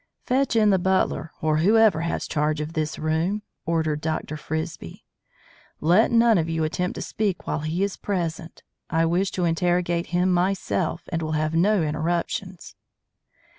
"Fetch in the butler or whoever has charge of this room," ordered Dr. Frisbie. "Let none of you attempt to speak while he is present. I wish to interrogate him myself and will have no interruptions."